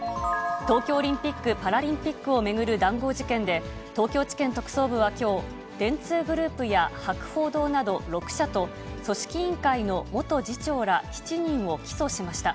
東京オリンピック・パラリンピックを巡る談合事件で、東京地検特捜部はきょう、電通グループや博報堂など６社と、組織委員会の元次長ら７人を起訴しました。